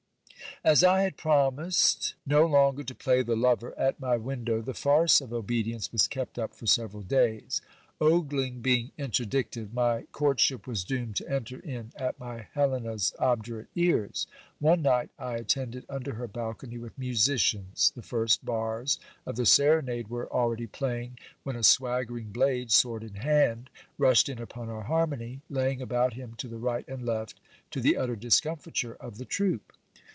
As I had promised no longer to play the lover at my window, the farce of obedience was kept up for several days. Ogling being interdicted, my court ship was doomed to enter in at my Helena's obdurate ears. One night I at tended under her balcony with musicians ; the first bars of the serenade were already playing, when a swaggering blade, sword in hand, rushed in upon our harmony, laying about him to the right and left, to the utter discomfiture of the troop.